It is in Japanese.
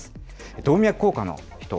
動脈硬化の人。